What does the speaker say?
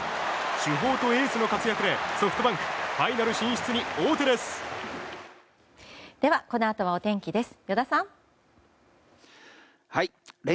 主砲とエースの活躍でソフトバンクファイナル進出に王手です。